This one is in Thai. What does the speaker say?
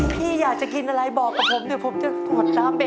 พี่อยากจะกินอะไรบอกกับผมเดี๋ยวผมจะถวดน้ำไป